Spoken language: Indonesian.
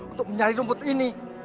untuk mencari rumput ini